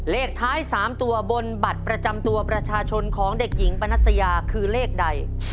เลขท้าย๓ตัวบนบัตรประจำตัวประชาชนของเด็กหญิงปนัสยาคือเลขใด